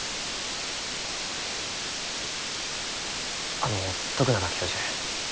あの徳永教授